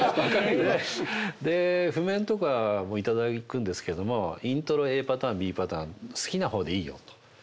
譜面とかも頂くんですけどもイントロＡパターンＢパターン好きな方でいいよと。